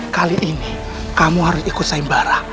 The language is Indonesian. kali ini kamu harus ikut saing barah